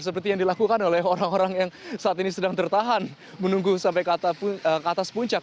seperti yang dilakukan oleh orang orang yang saat ini sedang tertahan menunggu sampai ke atas puncak